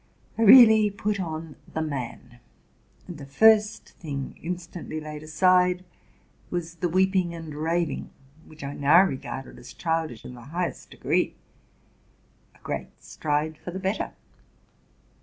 I really put on the man; and the first thing instantly laid aside was the weeping and raving, which I now regarded as childish in the highest degree. A great stride for the better!